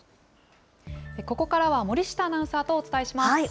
ここからは森下アナウンサーとお伝えします。